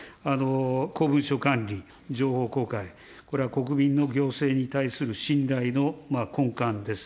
公文書管理、情報公開、これは国民の行政に対する信頼の根幹です。